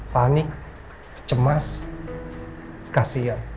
panik cemas kasihan